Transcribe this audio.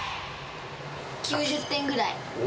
９０点ぐらい。